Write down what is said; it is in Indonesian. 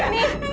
ibu nggak mau